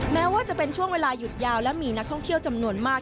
แม้ว่าจะเป็นช่วงเวลาหยุดยาวและมีนักท่องเที่ยวจำนวนมาก